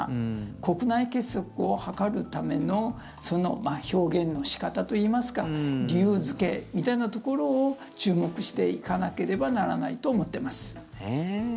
国内結束を図るためのその表現の仕方といいますか理由付けみたいなところを注目していかなければならないと思っています。